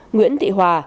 nguyễn thị hòa